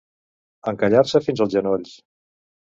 Encallar-se fins als genolls.